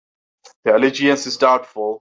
Their allegiance is doubtful.